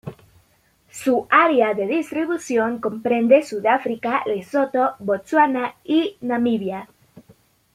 Su área de distribución comprende Sudáfrica, Lesoto, Botsuana y Namibia.